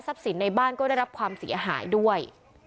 สินในบ้านก็ได้รับความเสียหายด้วย